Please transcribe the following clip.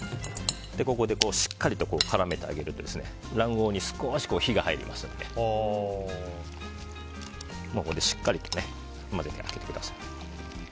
ここでしっかりと絡めてあげると卵黄に少し火が入りますのでここでしっかりと混ぜてあげてください。